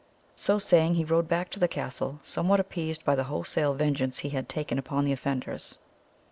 So saying, he rode back to the castle, somewhat appeased by the wholesale vengeance he had taken upon the offenders.